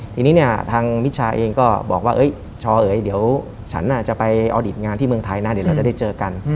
ทีนี้เนี่ยทางมิชชาเองก็บอกว่าชอเอ๋ยเดี๋ยวฉันจะไปออดิตงานที่เมืองไทยนะเดี๋ยวเราจะได้เจอกัน